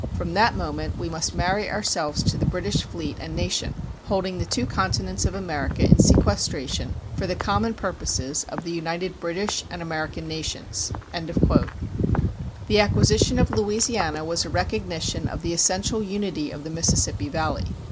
From that moment we must marry ourselves to the British fleet and nation ... holding the two continents of America in sequestration for the common purposes of the united British and American nations.[188:1] The acquisition of Louisiana was a recognition of the essential unity of the Mississippi Valley.